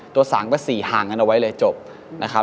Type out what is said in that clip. ตัว๓ก็๔ห่างกันเอาไว้เลยจบนะครับ